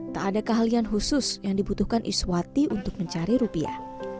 tak ada keahlian khusus yang dibutuhkan iswati untuk mencari rupiah